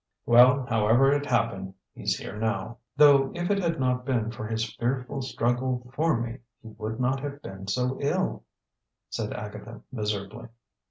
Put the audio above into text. "Well, however it happened, he's here now!" "Though if it had not been for his fearful struggle for me, he would not have been so ill," said Agatha miserably.